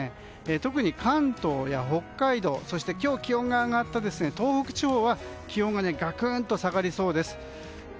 特に関東や北海道そして今日気温が上がった東北地方は気温ががくんと下がりそうです。